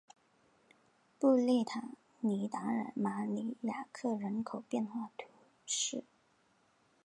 布列塔尼达尔马尼亚克人口变化图示